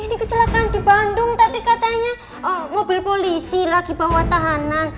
ini kecelakaan di bandung tapi katanya mobil polisi lagi bawa tahanan